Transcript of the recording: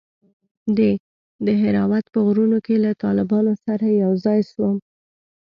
د دهراوت په غرونو کښې له طالبانو سره يوځاى سوم.